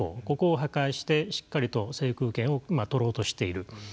ここを破壊してしっかりと制空権をとろうとしている。